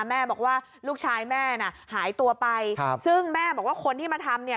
แม่บอกว่าลูกชายแม่น่ะหายตัวไปครับซึ่งแม่บอกว่าคนที่มาทำเนี่ย